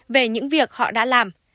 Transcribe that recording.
về những việc họ đã làm